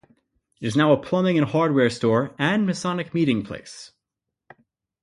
It is now a plumbing and hardware store and Masonic meeting place.